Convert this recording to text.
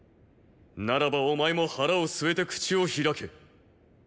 ならばお前も腹をすえて口を開け。